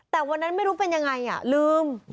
แต่วันนั้นไม่รู้เป็นยังไงลืม